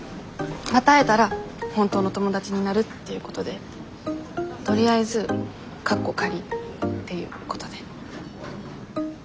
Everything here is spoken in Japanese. また会えたら本当の友達になるっていうことでとりあえずっていうことで。